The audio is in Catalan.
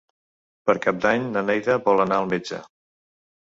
Per Cap d'Any na Neida vol anar al metge.